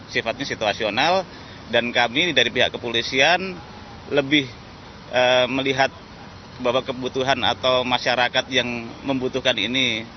sifatnya situasional dan kami dari pihak kepolisian lebih melihat bahwa kebutuhan atau masyarakat yang membutuhkan ini